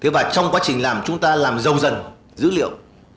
và trong quá trình làm chúng ta làm giàu dần dữ liệu